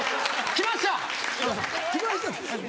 来ました！